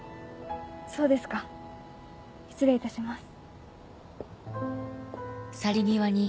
そうですか失礼いたします。